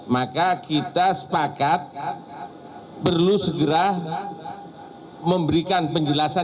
maka kita sepakat perlu segera memberikan penjelasan